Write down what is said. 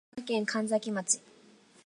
佐賀県神埼市